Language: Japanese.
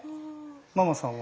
ママさんは？